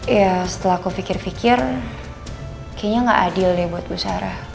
ya setelah aku pikir pikir kayaknya gak adil deh buat bu sarah